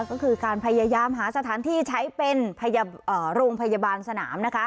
ก็คือการพยายามหาสถานที่ใช้เป็นโรงพยาบาลสนามนะคะ